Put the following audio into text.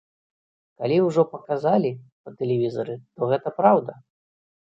Калі ўжо паказалі па тэлевізары, то гэта праўда!